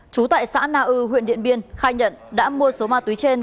chú tại xã na ư huyện điện biên khai nhận đã mua số ma túy trên